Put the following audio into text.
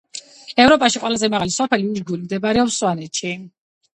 ევროპაში ყველაზე მაღალი სოფელი უშგული მდებარეობს სვანეთში